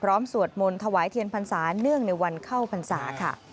สวดมนต์ถวายเทียนพรรษาเนื่องในวันเข้าพรรษาค่ะ